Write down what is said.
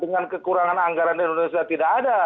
dengan kekurangan anggaran indonesia tidak ada